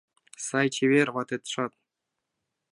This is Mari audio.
Сай чевер ватетшат.